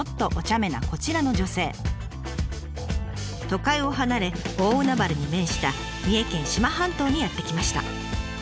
都会を離れ大海原に面した三重県志摩半島にやって来ました。